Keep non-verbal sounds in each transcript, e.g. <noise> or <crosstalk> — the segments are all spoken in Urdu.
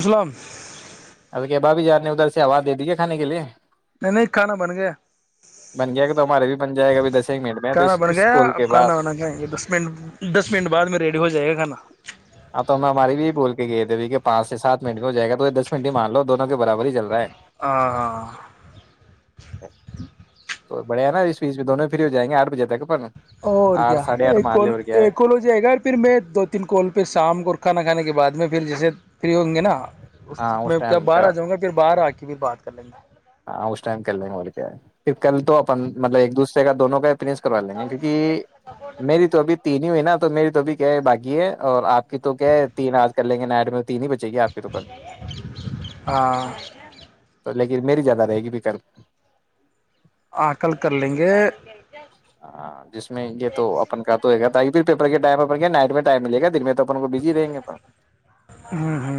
اسلام اب کہ بھابھی جان نے ادھر سے آواز دے دی ہے کھآنے کے لیے نہیں نہیں کھانا بن گیا بن گیا کہ تو ہمارے بھی بن جائے گا ابھی دس ایک منٹ میں تو کھانا بن اس گیا کال کے آپ بعد کھانا بنا گیں دس منٹ دس منٹ بعد میں ریڈی ہو جائے گا کھانا ہاں تو ہماری بھی بول کے گئے تھے کہ پانچ سے سات منٹ میں ہو جائے گا تو یہ دس منٹ ہی مان لو دونوں کے برابر ہی چل رہا ہے ہاں ہاں تو بڑھیا نا اس بیچ میں دونوں میں فری ہو جاے گے آٹ بجے تک اپن اور کیا آٹھ ساڑھے آٹھ ایک مان اور لے کیا ہے ایک اور ہو جائےگا پھر میں دو تین کوال پہ سے شام کو کھانا کھانے کے بعد میں پھر جیسے فری ہوے گے نا اس ہاں میں کیا ٹائم باہر کا آ جاؤں گا پھر باہر آ کے پھر بات کر لیں گے ہاں اس ٹائم کر لیں گے بول کے پھر کل تو مطلب ایک دوسرے کا دونوں کا کروا لگے کیوں کہ میری تو ابھی تین ہی ہوئی نا تو میری تو ابھی کیا ہے باکی ہے اور آپ کی تو کیا ہے تین آج کر لیں گے نائٹ میں تین ہی بچ ہاں تو لیکن میری زیادہ رہے گی بھی ک <inaudible> آ کل کر لیں گے ہاں جس میں یہ تو اپن کا تو ہو گا تاک پ پیپر کے ٹائم پڑ گے نائ میں ٹائمل گ دن میں تو اپن کو بزی رہیں گے اپ ہ ہ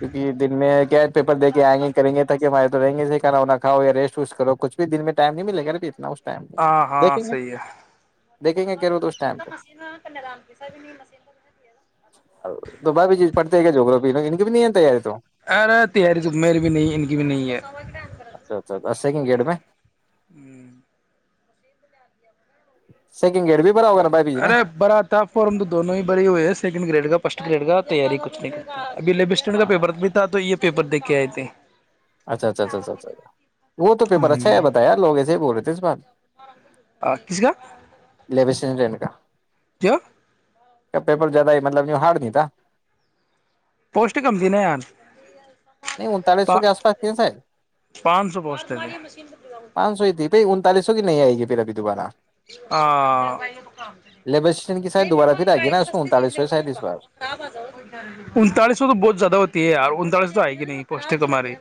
کیکہ یہ دن میں کیا پیپرے کے آئ گے کریں گےاک کہ فائد تو رہیں گے کھا کاؤیا ریٹ وٹ کرو کھ بھی دن میں ٹائم نہیں مل گا اب اتنا اس ت ہاں ہاں صحی ہے دیکیں گے ہوو تو اس ٹائم پہ تو با بھی چیز پڑتے ہے کیا جگو پ لو نہیں بھی نہیں تیار ارے تیاری تو میری بھی نہیں ان کی بھی نہیں ہے اچھا اچھا سیکنڈ گیڈ میں ہوں س ارے بھرا تھا فارم تو دونوں ہی بری ہوئے ہے سیکنڈ گریڈ کا فسٹ گریٹ گ تیاری کچھ نہیں کر اب لیب اسٹینڈ کا ہاں پیپرک بھی تھا تو یہ پیپر دیک کے آئے تھے اچھا اچھا اچھا اچھ اچھا وہ تو پیپر اچھا ہےتایا لوگسے بول رہے ہیں یس بات کس کا لبس کاا کیا کیا پیپر جیادہ مطلب ہارڈ نہیں تھا پوسٹ کم دی ن آان نہیں انتالیس سو کے آس پاس کی ساید پانچ سو پوسٹ تھے پانچ سو ہی تھی بائی انتالیس سو کی نہیں آئے گی پھر ابھی دوبارہ ہاں لیبر اسٹیشن کی سائڈ دوبارہ پھر آئے گی نا اس میں انتالیس سو شاید اس بار انتالیس سو تو بہت زیادہ ہو یہ انتالس تو ہے کہ نہیں پس تو مارے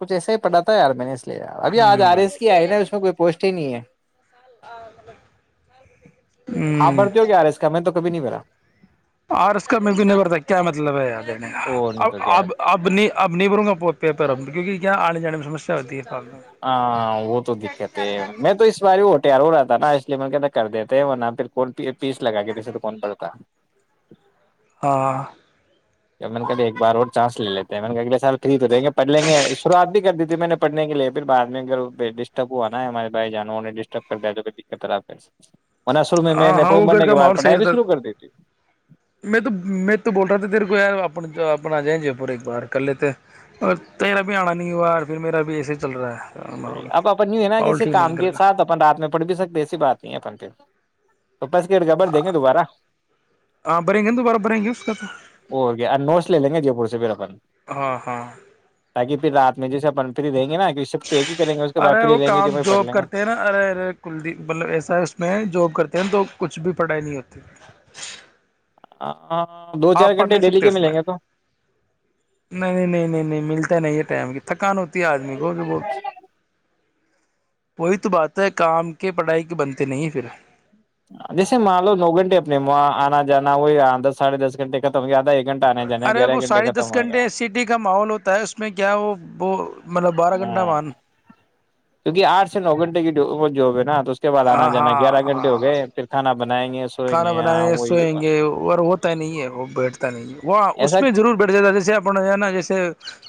کچھ ایسا ہی پھا ہے یار میں نے اس ابھی آج آر ہوں ایس کی آئی نا اس میں کوئی پوسٹ ہی نہیں ہے آپ بھرتی ہو کیایار اس کا میں تو کبھی نہیں میرا آر اس کا میں بھی نہیں بھرتا کیا مطلب ہے دینے کا او نہیں اب تو کیا ہے، اب اب اب نہیں بھروں گا پیپر کیونک کیا آنے ج س ہاں وہ تو دقت ہے میں تو اس بار ہوٹار ہو رہا تھا ا اس لیے میں کہ کر دیتے ہیں نہ پھر پیس لگا کے دسے تو کون پڑتا واہ میں نے کہ ایک بار اور چانس لے لیتے ہیں میں نے کہ اگلے سال فری تو ہوتےیں گے پڑھ لیں گے شروعات بھی کر دی تھی میں نے پڑھنے کے لیے پھر بعد میں ا ڈسٹرب ہوا نا ہمارے بھائی جانوں نے ڈسٹرب کر دیا جو دقت رہا پھر ورنہ شروع میں میں ہاں نے ہاں فارم وہ کر بھرنے کے بعد ماحول صحیح پڑھائی بھی رہتا شروع کر دیتی میں تو میں تو بول رہا تھا تیرے کو یارپ اپ اپنا جائیں جے پور ایک بار کر لیتے اور تیرا بھی آنا نہیں ہواار پھر میرا بھی ایسے ہی چل رہا ہے ماحول اپ اپن ہے نا ماحول کسی ٹھیک نہیں کام کرے کے گا ساتھ اپن رات میں پڑھ بھی سکتے ہیں ایسی بات نہیں ہے اپن اوکے تو پسٹ گبر دیں گے دوبارہ ہاں بھریں گے نا دوبارہ بھریں گے اس کا تو گ نوٹس لے لیں گے جے پور سے پھر اپن ہاں ہاں تاکہ رات میں جیسے پنپت دیں گےا کہش ارے وہ کام جاب گے کرتے ہیں نا ارے ارے کلدی مطلب ایسا ہے اس میں جاب کرتے ہیں تو کچھ بھی پڑھائی نہیں ہوتی تھی آ آپ پڑھ نہیں سکتے اس میں نہیں نہیں نہیں نہیں نہیں ملتا نہیں ہے ٹائم کی تھکان ہوتی ہے آدمی کو جو ب وہی تو بات ہے کام کے پڑھائی کے بنتے نہیں پھر جیسے مان لو نو گھنٹے اپنے وہاں آنا جانا وہ آ دس ساڑھے دس گھنٹے ختمیادا ارے وہ ساڑھے دس گھنٹے سٹی کا ماحول ہوتا ہے اس میں کیا وہ وہ مطلب بارہ گھنٹہ ہ مان کیونکہ آٹھ سے نو گھنٹے کی ہو نا تو اس کے بد آنا ہاں جانا گیارہ ہاں گھٹے ہو ہاں گئے پھر کانا بنائیں گے سوئیں کھانا گے ہاں بنانے وہ یہ سوئیں گے اور ہوتا نہیں ہے وہ بیٹھتا نہیں ہے وہ ایسا اس میں ضرور بیٹھ جاتا ہے جیسے اپ ہے نا جیسے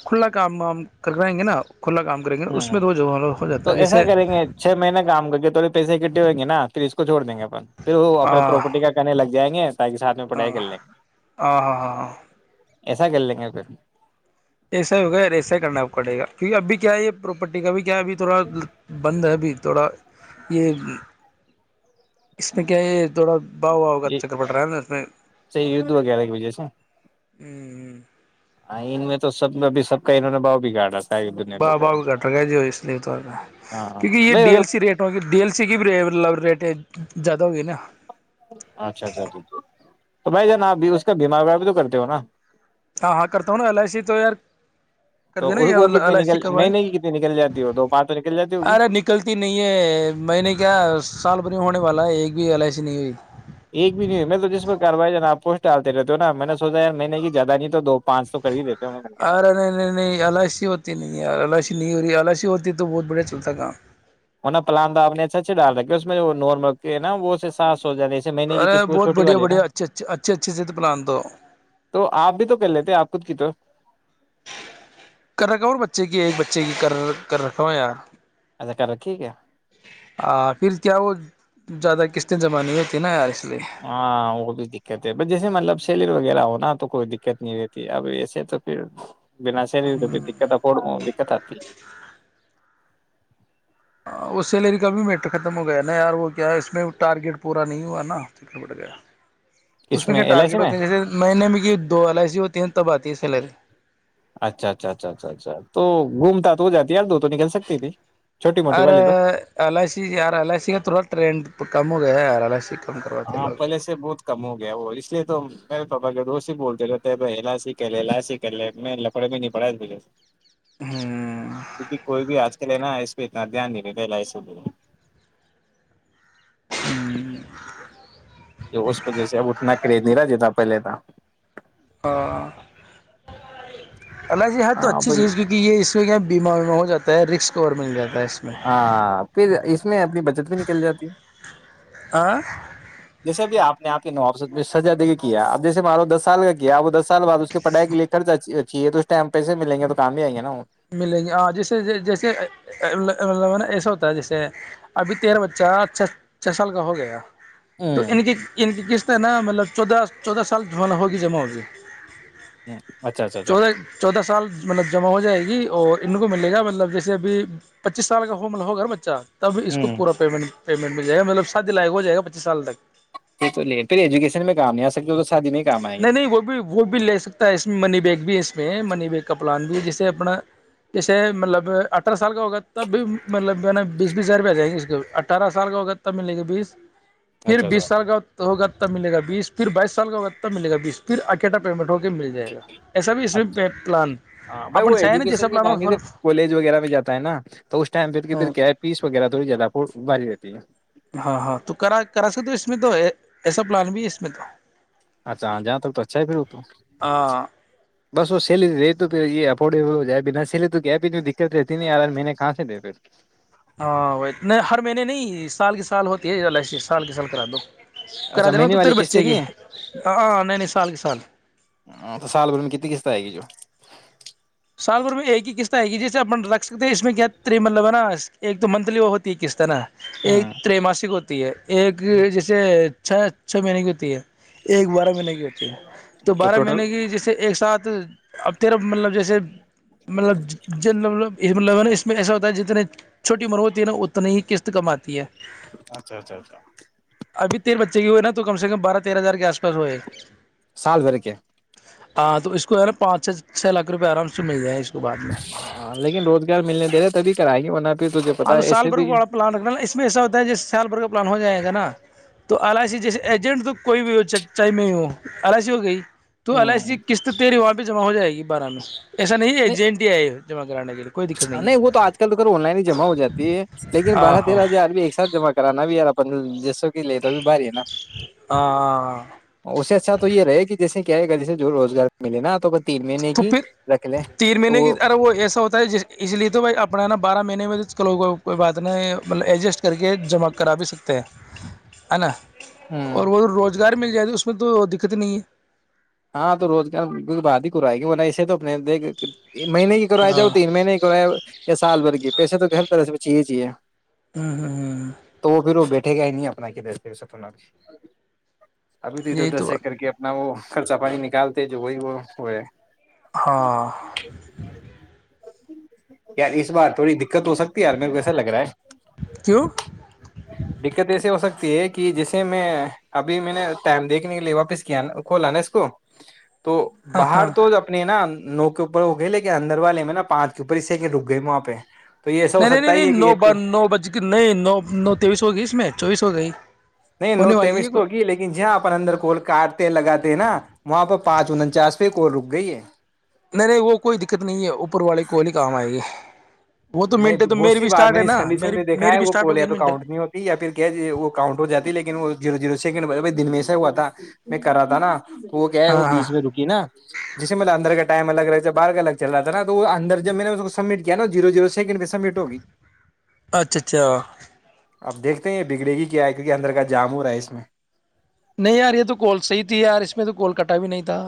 کھلا کام ہم کر رہے گے نا کھلا کام کریں گے اس ہوں میں تو جو ہو جاتا تو ہے ایسا جیسے کریں گے چھ مہیین کام کر کے تھوڑے پیسے کی ہو گی نا پھر اس کوھوڑ دیں گے پھر وہ اپنے پراپرٹی کا کہنے لگ جائیں گے تاکہ ساتھ میں ہ ہ پڑھائی کر لیں گے ہاں ہاں ہاں ایسا کر لیں گے پھر ایسا ہی ہوگیا ایسا ہی کرنا کٹے گا کیونکہ ابھی کیا ہے یہ پراپرٹی کا بھی کیا ہے ابھی تھوڑا بند ہے ابھی تھوڑا یہ اس میں کیا ہے یہ تھوڑا باؤ واؤ کا چکر پڑ رہا ہے نا اس میں اچا یہ ید وگار ایک بجے سے ہوں ہ ہ ان میں تو سب میں ابھی سب کا انہوں نے باؤ بگاڑا تھا باہ باہ گٹر گ جو اس لیے توا ہاں کیونکہ یہ بھائی ڈی اگر ایل سی ریٹ ہوگ ڈی ایل سی کی ریٹ ہے زیادہ ہوگئی نا اچھا اچھاھ تو بھائی ج نا اپ اس کا بیمار ومار بھی تو کرتے ہو نا ہاں ہاں کرتا ہوں نا ایل آئی سی تو یار کر تو دینا وہ کتنی ایل آئی سی نکل کروائے مہینے کی کتنی نکل جاتی ہو دو پانچ تو نکل جاتی ہوگی رے نکلتی نہیں ہے میں نے کیا سال بھر ہونے والا ہے یہ کبھی ایل آئی سی نہیں ہوئی ایک بھی نہیں ہو ہے میں تو جس پر کاروائی ہے ناپو ٹالتے رہتے ہو نا میں نے سوچا ار میں نے کہ جیادہ نہیں تو دو پانچ تو کر ہی دیتے ہو میں کیا ارے نہیں نہیں نہیں الاشی ہوتی نہیں یار اائشی نہیں نہیںور آلاش ہوتی تو بہت بڑیا چلتا کا نا پلاند آپ نے اچھا اچھے ڈال رکھیا اس میں نور م کے ہے نا وہ ساس ہو جاتی ایسے مہینے کی ارے قسم بہت چھوٹی بڑھیا والی ہے نا بڑھیا اچھے اچھے اچھے اچھے سے تو پلان دو تو آپ بھی تو کر لیتے آپ کتک تو کر رکھا ہ اور بچے کی ایک بچے کی کر کر رکھا ہووں یار سیکا رکھی کیا ہے آ پھر کیا وہ زیادہ قسطیں زمانے ہوتی نا یار لیے ہاں وہ بھی دقت ہے ب جیسے مطلب شلر وغیرہ ہوناا تو کوئی دقت نہیں رہتی اب ایسے تو پھر بنا سیریی تو دت پ دت آتی ہ سیلری کا بھی میٹر ختم ہو گیا نا یار وہ کیا ہے اس میں ٹارگیٹ پورا نہیں ہوا نا فکر بٹ گیا ہے اس میں کیا ایل آئی سی ٹارگیٹ میں ہوتے ہیں جیسے نئے نئے میں کی دو ایل آئی سی ہوتی ہیں تب آتی ہے سیلری اچھا اچھا اچھا اچھا اچھا تو گھومتا تو وہ جاتی یا تو تو نکل سکتی تھی چھوٹی موٹی ار والی تو اللائسی یار اللائسی کا تھوڑا ٹریڈ ا کم ہو گیا ہے ار ال س ہاں پہلے سے بہت کم ہو گیا وہ تو میرے پاپا کے دوست ہی بولتے رہتے ہیں ب سیکھ لے ل سیک کر لے میں لکڑے میں نہیں پڑایاے ہاں کیونکہ کوئی بھی آج کل ہے نا ہے اس پتنا دھیان نہیں رے پہلا ایسو بول <unintelligible> تو اس وجہ سے اب اتنا کریز نہیں رہ جتا پہلے تھا <unintelligible> اللہ سےی ہےر تو ہاں اچھی بھائی چیز کیونک یہ اس میں کیا بیمار میں ہو جاتا ہے رسک اور منگ ہاں پھر اس میں اپنی بچت بھی نکل جاتی ہاں جیسے بھی آپ آپ کے ن سزا دے کے کیا اب جیےارو دس سال کا کیا ا وہ دس سال بع اس پڑھائی کے لیے کر جای چی تو اسٹم پہسےلیں گے تو کام ہیئ گی ملیں گے ہاں جیسے جیسے مطلب نا ایسا ہوتا ہے جیسے ابھی تیرا بچہ چھ چھ سال کا ہو گیا تو ہوں ان کی ان کی کس ا نا مطلب چودہ چودہ سال مط ہوگی جما ہوگی اچھا اچھا اچھا چودہ چودہ سال مطلب جمع ہو جائے گی اور ان کو ملے گا مطلب جیسے ابھی پچیس سال کا ہول ہوگا بچچا تب اس ہ کو پورا پیمنٹ پیمٹ م جائے گاطلبات د لائی ہوائے گا پچیس سالک یہ تو لے پھر ایجوکیشن میں کام نہیں آ سکتے وہ تو شادی میں ہی کام آئیں گے نہیں نہیں وہ بھی وہ بھی لے سکتا ہے اس میں منی بیگ بھی اس می منی بیگ کا پلان بھی جسے اپنا جیسے مطلب اٹھارہ سال کا ہوگا تب بھی مطلب جو ہے نا بیس بیس ہزار روپ جائےیں گے اس کو اٹھارہ سال کا ہوگا تب ملے گے بيس پھر اچھا اچھا بسال گاؤں تو ہوگا تب ملے گا بیس پھر بائیس سال کا ہو ملے گا بیس پھر اکیٹا پیمنٹ ہو کے مل جائے گا ایسا بھی اس اچھا میں پلان ہاں ب وہ اپن چاہے نا جیسا ایجوکیشن کے پلان ہو ٹائم صرف۔ کالج وغیرہ میں جاتا ہے نا ٹو اس ٹائم پھر پھر کیا ہے فیس وغیرہ تھوڑی جیادہ بھاری رہتی فے ہاں ہاں تو کرا کرا سکتے ہو اس میں تو ایسا پلان بھی ہے اس میں ٹو اچھا جاں تک تو اچھا ہے پھر وہ تو ہاں بس وہ سیلی رہے تو پ یہ افورڈیبل ہو جائے سیلے تو دقت رہتی نہیں یار میں نے کہاں سے د فیر ہاں وہ نہیں ہر مہینے نہیں سال کی سال ہوتی ہے ا الشی سال کے سال کرا ٹو اچھا مہینے والی قسطیں نہیں ہے ہاں ہاں نہیں نہیں سال کے سال تو سال بھر میں کتنی قسط آئے گی جو سال بھر میں ایک ہی قسط آئے گی جسے اپن رکھ سکتے ہیں اس میں کیا مطلب ہے نا ایک تو منتھلی وہ ہوتی ہے قسط ہے نا ایک ہوں تر ماسک ہوتی ہے ایک جسے چھ چھ مہینے کی ہوتی ہے ایک بارہ مہینے کی ہوتی تو دوبارہ میں ٹوٹل نے جیسے ایک ساتھ اب تیرف مطلب جیسی مطلب مطلب نا اس میں ایسا ہوتا ہے جتنے چھوٹی عمر ہوتی ہے نا اتنی ہی قسط کم آتی ہے اچھا اچھا اچھا ابھی تیر بچے کی ہوئے نا تو کم سے کم بارہ تیرہ ہزار کے آس پس ہوئے سال بھر کے ہاں تو اس کو ہے نا پانچ چھ چھ لاکھ روپئے آرام سے مل جائیں اس کو بعد میں ہاں لیکن روزگار ملنے دے رہے تبھی کرائیں گے نا ہاں تو سال بھر کو بڑا پلان رکھنا نا اس میں ایساتا جس سال بھر کا پلان ہو جائے تو ایجنٹ تو کوئی بھی ہو سکتا ہے نا این ار سی ہو گئی ٹو ہوں الائیسی قسط تیری والا جمع ہو جائے گی بارہ میں <unintelligible> ایسا نہیں ہے جے این ٹی آئے جمع کرانے کے لیے کوئی دقت نہیں وہ تو ہے آج کل تو خر آن لائن ہی <unintelligible> جمع ہو جات <unintelligible> ی ہے لیکن ہاں بارہ ہاں تیرہ ہزار بھی ایک ساتھ جمع کرانا بھیار اپ جس <unintelligible> لیے تو ابھی باہاری ہے نا ہاں اس سے اچھا تو یہ رہے کہ جیسے کہ <unintelligible> گ سے جو روزگار ملے نا تو <unintelligible> تیر مین تو کی پھر رکھل <unintelligible> تین مہینے کی ار وہ ایسا ہوتا ہے ج اس لیے تو بھائی اپنا نا بارہ مہینے میں <unintelligible> اس کا لوگوں کوئی بات نہیں مطلب ایڈجسٹ کر کے جمع کرا بھی سکتے ہیں ہے نا <unintelligible> ہ اور وہ روزگار <unintelligible> مل جائے تو اس میں تو دقت نہیں ہے <unintelligible> ہاں تو روزگار بعات ہی کرائے گی ایسے تو اپنے دیک <unintelligible> مہینے کی کرواائے ہاں جاؤ تین مہینے کی کروائے یا سال بھر کے پیسے تو گھر <unintelligible> سر ایے چاہیے چاہیے <unintelligible> ہوں ہوں ہوں <unintelligible> کے گ ہی نہیں اپنا کہ دستے سنا بھی <unintelligible> ابھی تودھر یہی ادھر تو سے بات کر کے اپنا وہ <unintelligible> خرچہ پانی نکالتے جو وہی وہ وہ ہے <unintelligible> ہاں <unintelligible> یار اس بار تھوڑی د <unintelligible> دقت ہو سکتی ہے یار میرے کو ایسا لگ رہا ہے کیوں دقت ایسے ہو سکتی <unintelligible> کہ جسے میں ابھی میں نے ٹائم دیکھنے کے لیے واپس کیا ن <unintelligible> ک ل ن اس کو <unintelligible> تو ہاں باہر ہاں تو اپنے نا <unintelligible> نو کے اوپر ہو گئے لیکن اندر والے میں نا پانچ کے اوپر اسی سے کہ رک گئے وہاں پہ <unintelligible> نہیں نہیں سکتا نہیں ہے یہ نہیں کہ نو ایک ب نو بج کے نہیں نو نو تیئیس ہو گئی اس میں چوبیس ہو گئی نہیں ہونے نو والی ہے تیمس تو کوئی ہوگی لیکن جہاں اپن اندر کال کاٹتے لگاتے <unintelligible> ہیں نا وہاں پہ پانچ اننچاس پ ایک اور رک گئی ہے <unintelligible> نہیں نہیں وہ کوئی دقت نہیں ہے اوپر والے کو والی کام آئے گی <unintelligible> وہ تو نہیں منٹ ہے تو بہت میری سی بھی بار اسٹارٹ میں ہے نے اس نا کنڈیشن میری پہ دیکا میری ہے بھی وہ اسٹارٹ کوال یا ہوگی تو منٹ کاؤنٹ نہیں ہوتی یا پھر کہ وہ کاؤنٹ ہو جی ہے لیکن وہ جیرو زیرو سیکنڈ <unintelligible> دن میں سےا ہوا تھا میں کر رہا تھا نا <unintelligible> وہ کیا ہے ہاں وہ ہاں بیچ میں رکی نا جسے مطلب اندر گڑ <unintelligible> ٹائم الگ رہتا تھا بار کا الگ چ رہا تھا نا وہ اندر جب میں نے اس کو سبمٹ کیا نا <unintelligible> جیرو جیرو سیکنڈ میں سبمٹ ہوگی <unintelligible> اچھا اچھا اب دیکھتے ہیں یہ بگڑے گی کیا ہے کیونکہ اندر کا جام ہو رہا ہے اس میں <unintelligible> نہیں یار یہ تو کول سی ہی تھی یار اس میں تو کول کٹا بھی نہیں تھا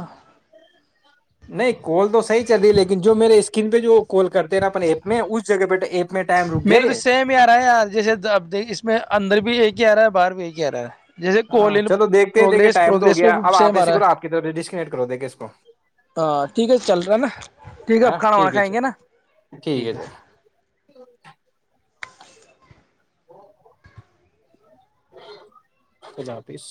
نہیں کوال تو صحیح چل رہی لیکن جو میرے اسکن جو کال کرتے ہیںا اپنے ایپ میں اس جگہ پہ ایپ میں ٹائم رک گیا میرے تو یہ سیم ہی آ رہا ہے یار جیسے اب اس میں اندر بھی ایک ہی آ رہا ہے باہر بھی ایک ہی کیا رہا ہے جیسے ہاں کولن چلو دیکھتے ہیں دیکھیے پروگریس ٹائم تو ہو پروگریس پہ گیا بھی اب آپ سیم آ ایسے رہا کرو ہے آپ کی طرف سے ڈسکنیکٹ کرو دیکھے اس کو ہاں ٹھیک ہے چل رہا ہے نا ٹھیک ہے اب ہاں کھانا وانا ٹھیک ہے چلو کھائیں گے نا ٹھیک ہے ا تج آتیس